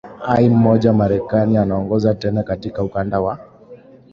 i mmoja marekani inaongoza tena katika ukanda wa